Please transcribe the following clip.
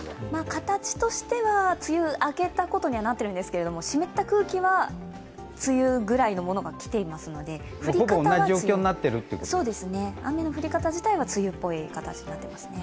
形としては梅雨明けたことにはなっているんですけど、湿った空気は梅雨ぐらいのものが来ていますので、雨の降り方自体は梅雨っぽい形になってますね。